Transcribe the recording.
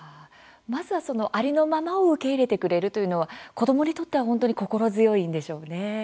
まずは、ありのままを受け入れてくれる、というのは子どもにとっては本当に心強いんでしょうね。